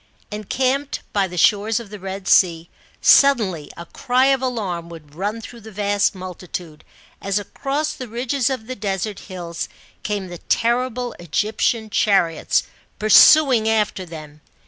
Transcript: Encamped by the shores of the Red Sea, suddenly a cry of alarm would run through the vast multitude, as across the ridges of the desert hills came the terrible Egyptian chariots pur suing after them.